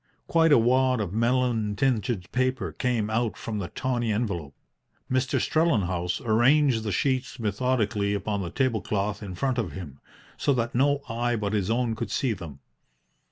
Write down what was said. Quite a wad of melon tinted paper came out from the tawny envelope. Mr. Strellenhaus arranged the sheets methodically upon the table cloth in front of him, so that no eye but his own could see them.